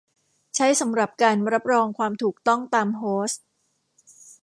ใช้สำหรับการรับรองความถูกต้องตามโฮสต์